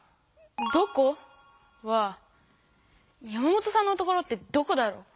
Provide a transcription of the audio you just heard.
「どこ？」は山本さんの所ってどこだろう？